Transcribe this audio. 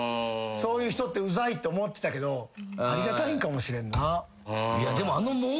そういう人ってウザいって思ってたけどありがたいんかもしれんな。